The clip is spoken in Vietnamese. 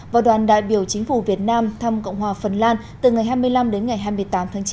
và đoàn đại biểu chính phủ việt nam thăm cộng hòa phần lan từ ngày hai mươi năm đến ngày hai mươi tám tháng chín